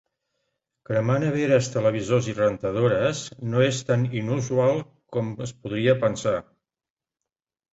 Cremar neveres, televisors i rentadores no és tan inusual com es podria pensar.